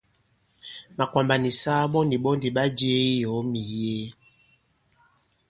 Màkwàmbà nì saa ɓɔ nì ɓɔ ndì ɓa jie i yɔ̀ɔ mì mìyee.